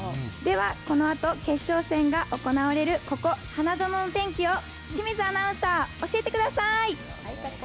では、このあと決勝戦が行われるここ、花園の天気を清水アナウンサー、教えてください。